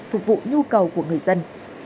phục vụ nhu cầu của người dân